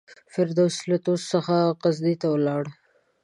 فردوسي له طوس څخه غزني ته ولاړ.